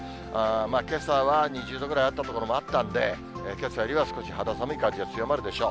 けさは２０度ぐらいあった所もあったんで、けさよりは少し肌寒い感じが強まるでしょう。